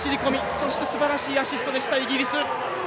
そして、すばらしいアシストでした、イギリス。